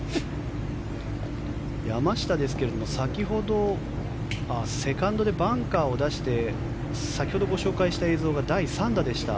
山下ですが先ほど、セカンドでバンカーを出して先ほどご紹介した映像が第３打でした。